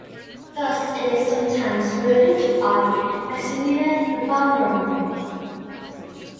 Thus it is sometimes related to I "Maximiana Thebanorum".